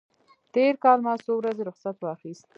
تېر کال ما څو ورځې رخصت واخیست.